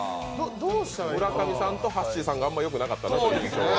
村上さんとはっしーさんがあんまりよくなかった。